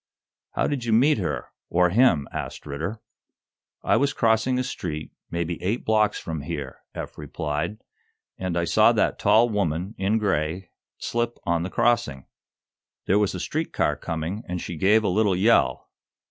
"How did you meet her or him?" asked Ridder. "I was crossing a street, maybe eight blocks from here," Eph replied, "and I saw that tall woman, in gray, slip on the crossing. There was a street car coming, and she gave a little yell.